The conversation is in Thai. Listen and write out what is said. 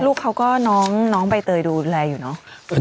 ลูกเขาก็น้องใบเตยดูแลอยู่เนอะ